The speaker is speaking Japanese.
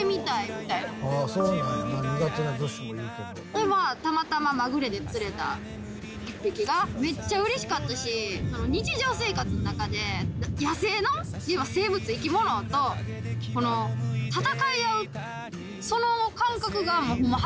でまあたまたままぐれで釣れた１匹がめっちゃ嬉しかったし日常生活の中で野生の生物生き物と戦い合うその感覚がホンマ